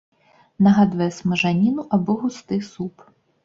Нагадвае смажаніну або густы суп.